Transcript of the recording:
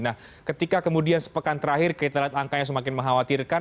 nah ketika kemudian sepekan terakhir kita lihat angkanya semakin mengkhawatirkan